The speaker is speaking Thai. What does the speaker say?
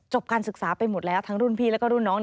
การศึกษาไปหมดแล้วทั้งรุ่นพี่แล้วก็รุ่นน้อง